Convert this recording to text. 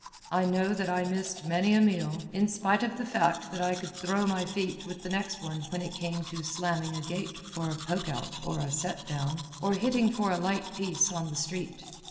I know that I missed many a meal, in spite of the fact that I could "throw my feet" with the next one when it came to "slamming a gate" for a "poke out" or a "set down," or hitting for a "light piece" on the street.